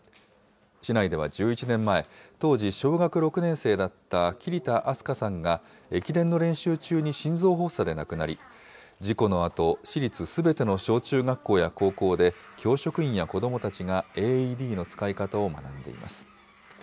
市内では１１年前、当時、小学６年生だった桐田明日香さんが、駅伝の練習中に心臓発作で亡くなり、事故のあと、市立すべての小中学校や高校で、教職員や子どもたちがＡＥＤの使い方を学んでいます。